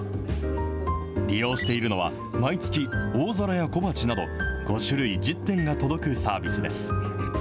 利用しているのは、毎月大皿や小鉢など、５種類１０点が届くサービスです。